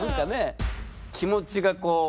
気持ちがこう。